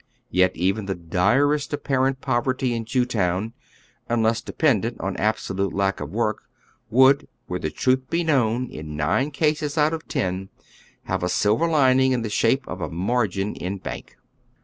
Yet even the direst apparent poverty in Jewtown, unless dependent on absolute lack of work, would, were the truth known, in nine cases out of ten have a silver lining in the shape of a margin in bank.